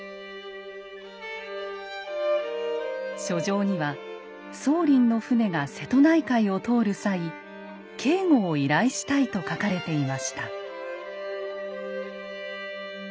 書状には宗麟の船が瀬戸内海を通る際警護を依頼したいと書かれていました。